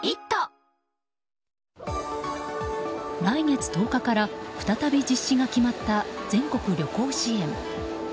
来月１０日から再び実施が決まった全国旅行支援。